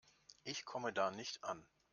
Ich komme da nicht an.